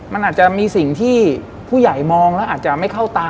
มันอาจจะมีสิ่งที่ผู้ใหญ่มองแล้วอาจจะไม่เข้าตา